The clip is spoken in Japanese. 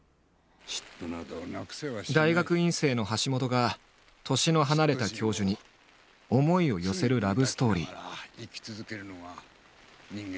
大学院生の橋本が年の離れた教授に思いを寄せるラブストーリー。